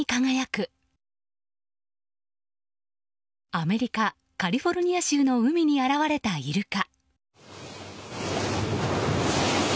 アメリカ・カリフォルニア州の海に現れたイルカ。